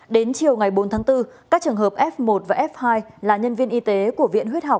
đến chiều ngày bốn tháng bốn các trường hợp f một và f hai là nhân viên y tế của viện huyết học